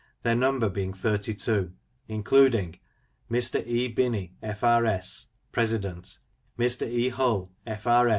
their number being thirty two, including: Mr. E. Binney, F.R.S., President; Mr. E. Hull, F.R.